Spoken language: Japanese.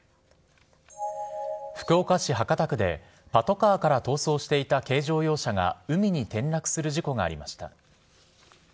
福岡市博多区で、パトカーから逃走していた軽乗用車が海に転落する事故がありました。